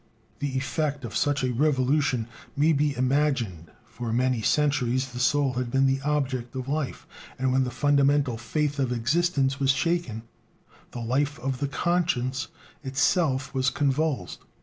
The effect of such a revolution may be imagined; for many centuries the soul had been the object of life, and when the fundamental faith of existence was shaken, the life of the conscience itself was convulsed.